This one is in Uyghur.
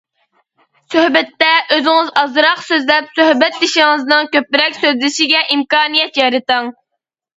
سۆھبەتتە ئۆزىڭىز ئازراق سۆزلەپ، سۆھبەتدىشىڭىزنىڭ كۆپرەك سۆزلىشىگە ئىمكانىيەت يارىتىڭ.